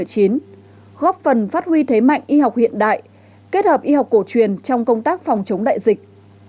góp phần phát huy thế mạnh y học hiện đại kết hợp y học cổ truyền trong công tác phòng chống đại dịch